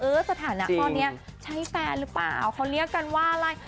สถานะตอนนี้ใช่แฟนหรือเปล่าเขาเรียกกันว่าอะไร